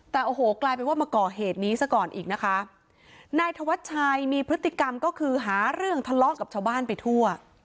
แต่โอ้โหกลายเป็นว่ามาก่อเหตุนี้ซะก่อนอีกนะคะนายธวัชชัยมีพฤติกรรมก็คือหาเรื่องทะเลาะกับชาวบ้านไปทั่ว